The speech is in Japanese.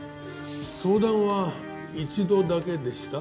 相談は一度だけでした？